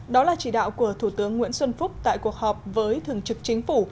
đó là chỉ đạo của thủ tướng nguyễn xuân phúc tại cuộc họp với thường trực chính phủ